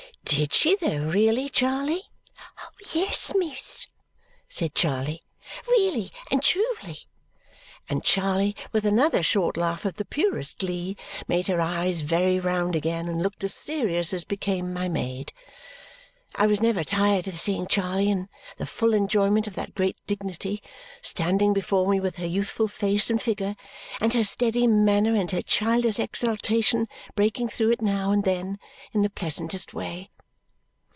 "Did she though, really, Charley?" "Yes, miss!" said Charley. "Really and truly." And Charley, with another short laugh of the purest glee, made her eyes very round again and looked as serious as became my maid. I was never tired of seeing Charley in the full enjoyment of that great dignity, standing before me with her youthful face and figure, and her steady manner, and her childish exultation breaking through it now and then in the pleasantest way.